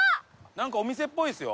なんかお店っぽいですよ。